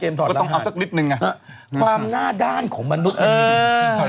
ก็ต้องเอาสักนิดนึงความหน้าด้านของมนุษย์อันนี้